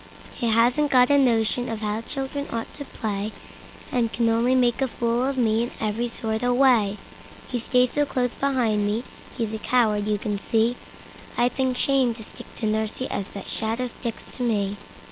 He hasn't got a notion of how children ought to play, And can only make a fool of me in every sort of way. He stays so close beside me, he's a coward you can see; I'd think shame to stick to nursie as that shadow sticks to me!